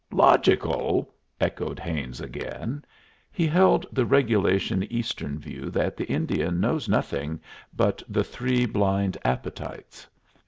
"Logical!" echoed Haines again. He held the regulation Eastern view that the Indian knows nothing but the three blind appetites.